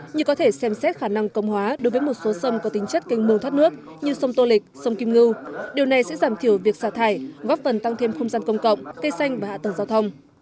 như có thể xem xét khả năng công hóa đối với một số sông có tính chất canh mương thoát nước như sông tô lịch sông kim ngưu điều này sẽ giảm thiểu việc xả thải góp phần tăng thêm không gian công cộng cây xanh và hạ tầng giao thông